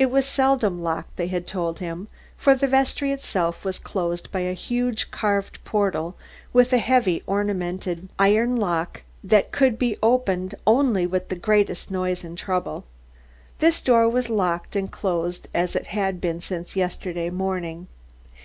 It was seldom locked, they had told him, for the vestry itself was closed by a huge carved portal with a heavy ornamented iron lock that could be opened only with the greatest noise and trouble. This door was locked and closed as it had been since yesterday morning.